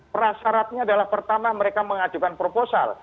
prasaratnya adalah pertama mereka mengajukan proposal